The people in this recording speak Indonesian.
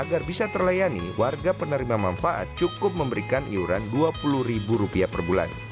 agar bisa terlayani warga penerima manfaat cukup memberikan iuran rp dua puluh ribu rupiah per bulan